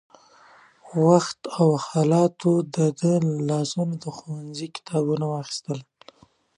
وخت او حالاتو يې د ده له لاسونو د ښوونځي کتابونه واخيستل.